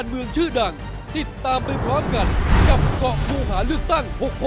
เดี๋ยวกลับมา